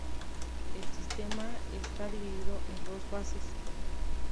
El sistema está dividido en dos fases.